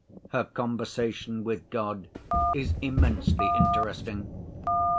Her conversation with God is immensely interesting.